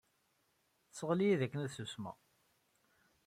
Tesɣel-iyi-d akken ad susmeɣ.